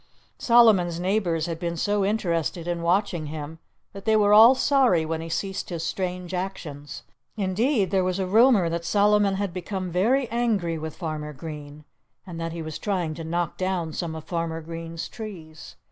Solomon's neighbors had been so interested in watching him that they were all sorry when he ceased his strange actions. Indeed, there was a rumor that Solomon had become very angry with Farmer Green and that he was trying to knock down some of Farmer Green's trees.